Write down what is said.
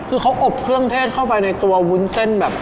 คือเขาอบเครื่องเทศเข้าไปในตัววุ้นเส้นแบบ